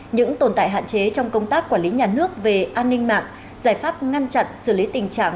những tồn tại hạn chế trong công tác quản lý nhà nước về an ninh mạng giải pháp ngăn chặn xử lý tình trạng